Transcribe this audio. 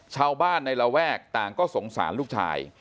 ชาวบ้านในระแวกต่างก็สงสารลูกชาย